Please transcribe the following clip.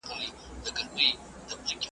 دا ایمل ایمل ایمل پلرونه .